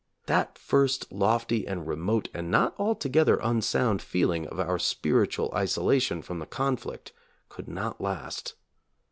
That first lofty and remote and not altogether un sound feeling of our spiritual isolation from the conflict could not last.